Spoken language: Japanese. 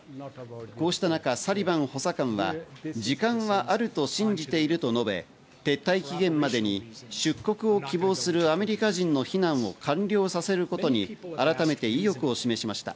こうした中、サリバン補佐官は時間はあると信じていると述べ、撤退期限までに出国を希望するアメリカ人の避難を完了させることに改めて意欲を示しました。